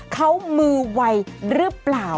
เขามือไวหรือเปล่า